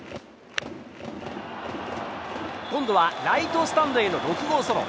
今度はライトスタンドへの６号ソロ。